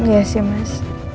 iya sih mas